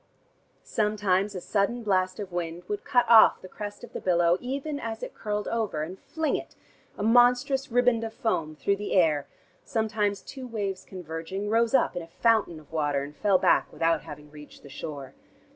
Sometimes a sudden blast of wind would cut off the crest of the billow even as it curled over, and fling it, a monstrous riband of foam, through the air, sometimes two waves converging rose up in a fountain of water, and fell back without having reached the shore.